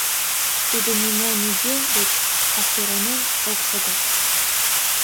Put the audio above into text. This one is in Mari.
Тудо нимо-нигӧ деч аптыранен ок шого.